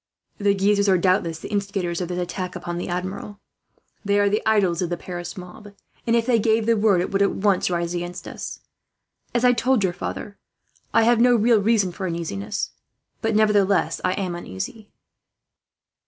The Guises are doubtless the instigators of this attack on the Admiral. They are the idols of the Paris mob and, if they gave the word, it would at once rise against us. As I told your father, I have no real reason for uneasiness, but nevertheless I am uneasy."